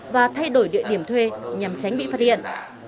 và thay đổi địa điểm thuê nhằm tránh bị phát hiện